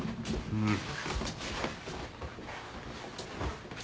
うん。